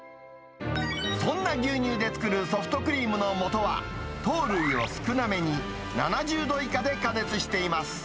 そんな牛乳で作るソフトクリームのもとは、糖類を少なめに７０度以下で加熱しています。